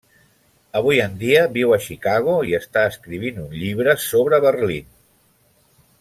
Avui en dia viu a Chicago i està escrivint un llibre sobre Berlín.